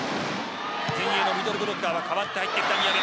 前衛のミドブロッカーは代わって入ってきた宮部。